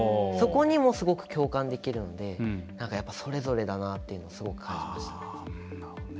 そこにもすごく共感できるのでやっぱりそれぞれだなっていうのをすごく感じました。